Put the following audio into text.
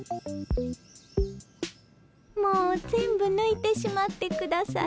もう全部抜いてしまって下さい。